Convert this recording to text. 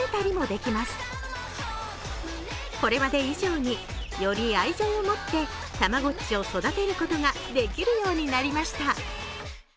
これまで以上により愛情を持ってたまごっちを育てることができるようになりました。